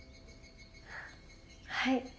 はい。